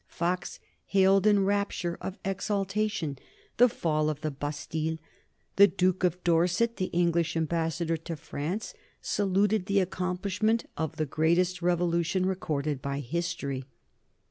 Fox hailed in a rapture of exultation the fall of the Bastille. The Duke of Dorset, the English ambassador to France, saluted the accomplishment of the greatest revolution recorded by history.